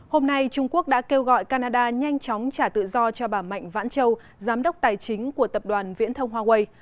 hôm nay trung quốc đã kêu gọi canada nhanh chóng trả tự do cho bà mạnh vãn châu giám đốc tài chính của tập đoàn viễn thông huawei